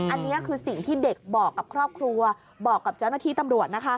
อันนี้คือสิ่งที่เด็กบอกกับครอบครัวบอกกับเจ้าหน้าที่ตำรวจนะคะ